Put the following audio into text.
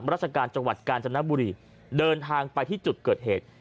ราชการจังหวัดกาญจนบุรีเดินทางไปที่จุดเกิดเหตุ